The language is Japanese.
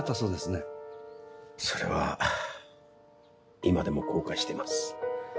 それは今でも後悔してます。